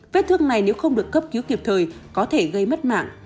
vết thương này nếu không được cấp cứu kịp thời có thể gây mất mạng